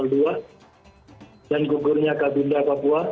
dan gugurnya kabinda papua bgn tni